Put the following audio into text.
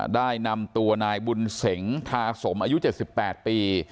ได้นำตัวนายบุญเสงทาสมอายุ๗๘ปี